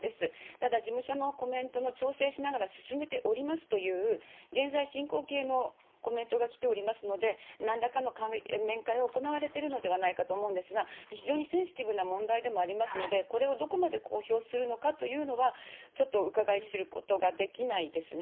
ただ、事務所のコメントを調整しながら進めておりますという、現在進行形のコメントが来ておりますので、なんらかの面会は行われているのではないかと思うんですが、非常にセンシティブな問題でもありますので、これをどこまで公表するのかというのは、ちょっとうかがい知ることができないですね。